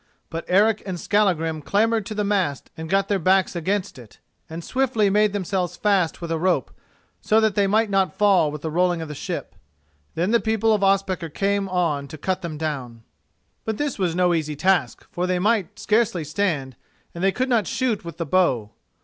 But Eric and Skallagrim clambered to the mast and got their backs against it, and swiftly made themselves fast with a rope, so that they might not fall with the rolling of the ship. Then the people of Ospakar came on to cut them down. But this was no easy task, for they might scarcely stand, and they could not shoot with the bow.